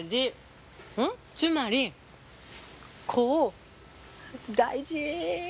つまり「子を大事」。